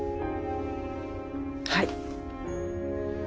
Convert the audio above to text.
はい。